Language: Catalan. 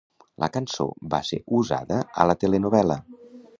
La cançó va ser usada a la telenovel·la.